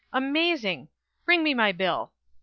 Amazing! Bring me my bill."